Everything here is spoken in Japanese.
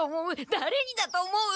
だれにだと思う？